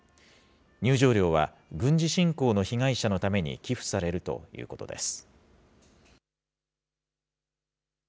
入場料は、軍事侵攻の被害者のために寄付されるということです。